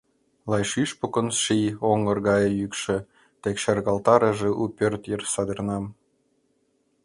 Лай шӱшпыкын ший оҥгыр гае йӱкшӧ Тек шергылтарыже у пӧрт йыр садернам.